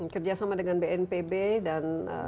kerjasama dengan bnpb dan rest lain